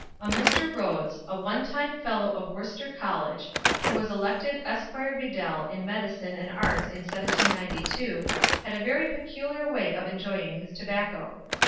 A Mr. Rhodes, a one time Fellow of Worcester College, who was elected Esquire Bedel in Medicine and Arts in 1792, had a very peculiar way of enjoying his tobacco.